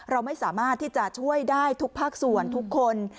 เราไม่สามารถที่จะช่วยได้ทุกภาคส่วนทุกคน